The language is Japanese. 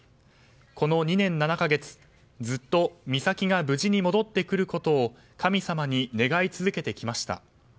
この２年７か月、ずっと美咲が無事に戻ってくることを神様に願い続けてきました。